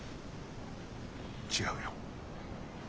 違うよ。